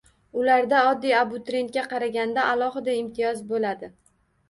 Ularda oddiy abituriyentga qaraganda alohida imtiyoz boʻladi!